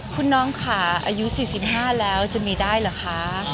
คุณน้องค่ะอายุ๔๕แล้วจะมีได้เหรอคะ